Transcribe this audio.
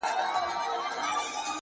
مخامخ وتراشل سوي بت ته ناست دی؛